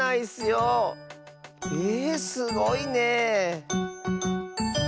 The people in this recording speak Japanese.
えすごいねえ。